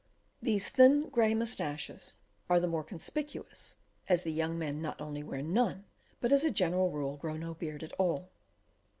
These thin grey moustaches are the more conspicuous, as the young men not only wear none, but, as a general rule, grow no beard at all.